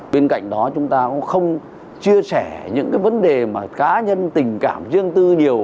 bên cạnh đó chúng ta không chia sẻ những vấn đề cá nhân tình cảm riêng tư nhiều